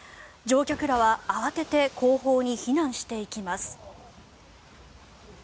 乗客らは慌てて後方に避難していきます。